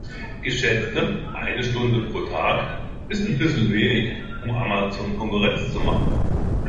Geschätzte eine Stunde pro Tag ist ein bissl wenig, um Amazon Konkurrenz zu machen.